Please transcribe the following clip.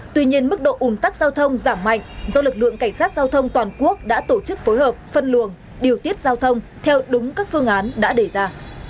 tuy nhiên mức độ ủng tắc giao thông giảm mạnh do lực lượng cảnh sát giao thông toàn quốc đã tổ chức phối hợp phân luồng điều tiết giao thông theo đúng các phương án đã đề ra